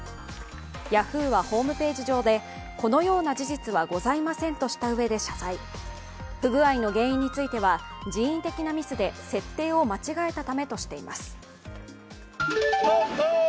ヤフーはホームページ上で、このような事実はございませんとしたうえで謝罪、不具合の原因については人為的なミスで設定を間違えたためとしています。